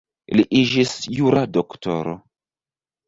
Li iĝis jura doktoro.